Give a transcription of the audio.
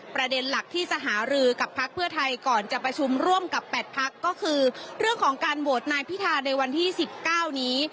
ประเด็นหลักที่จะหารือกับพักเพื่อไทยก่อนจะประชุมร่วมกับ๘พักก็คือเรื่องของการโหวตนายพิธาในวันที่๑๙นี้